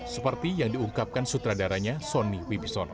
seperti yang diungkapkan sutradaranya sonny wibisono